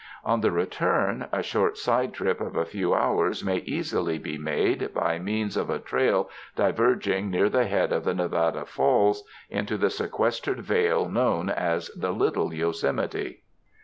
On the re turn, a short side trip of a few hours may easily be made by means of a trail diverging near the head of the Nevada Fall, into the sequestered vale known as the Little Yosemite.